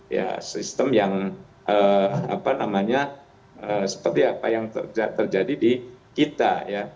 ya sistem yang seperti apa yang terjadi di kita